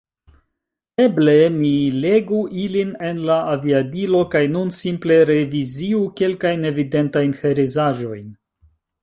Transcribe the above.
Eble mi legu ilin en la aviadilo kaj nun simple reviziu kelkajn evidentajn herezaĵojn.